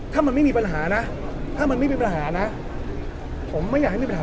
ถ้ามันไม่มีปัญหานะผมไม่อยากให้มีปัญหา